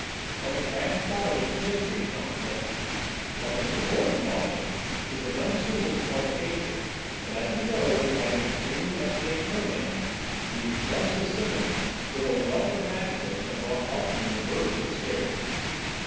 What the crab thought of it history does not relate. What Mr. Gordon thought of it is unsuitable for publication; but, as he rose, like an extremely up to date merman, he expressed his sentiments with a wealth of adjectives that brought Elton in the verge of hysteria.